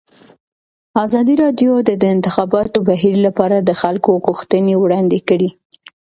ازادي راډیو د د انتخاباتو بهیر لپاره د خلکو غوښتنې وړاندې کړي.